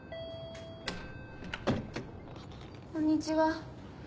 こんにちは。